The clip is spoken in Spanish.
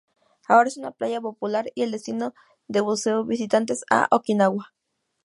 Ahora es una playa popular y el destino de buceo visitantes a Okinawa.